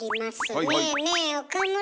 ねえねえ岡村。